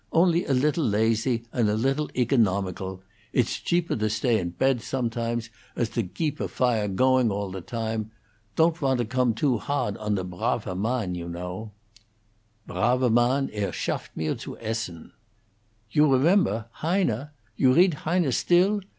Only a lidtle lazy, and a lidtle eggonomigal. Idt's jeaper to stay in pedt sometimes as to geep a fire a goin' all the time. Don't wandt to gome too hardt on the 'brafer Mann', you know: "Braver Mann, er schafft mir zu essen." You remember? Heine? You readt Heine still?